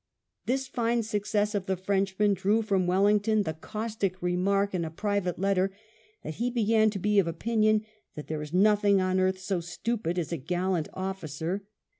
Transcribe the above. This fine success of the Frenchman drew from Wellington the caustic remark in a private letter that he began to be of opinion that " there is nothing on earth so stupid as a gallant officer.